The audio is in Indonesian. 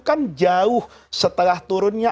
kan jauh setelah turunnya